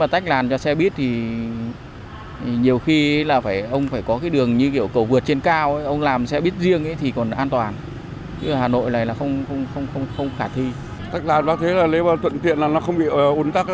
tách làn bác thấy là nếu tuận tiện là nó không bị ủn tắc